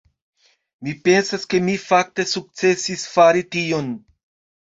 Mi pensas ke mi fakte sukcesis fari tion.